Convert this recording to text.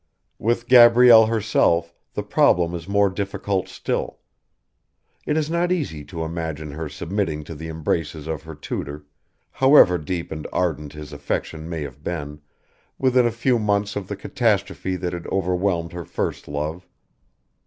With Gabrielle herself the problem is more difficult still. It is not easy to imagine her submitting to the embraces of her tutor, however deep and ardent his affection may have been, within a few months of the catastrophe that had overwhelmed her first love.